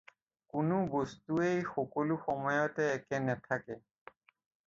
কোনো বস্তুৱেই সকলো সময়তে একে নেথাকে।